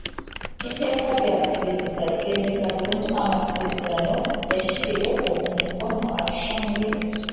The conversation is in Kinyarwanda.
Iteka rya Perezida ryemeza burundu amasezerano yashyiriweho umukono Arusha muri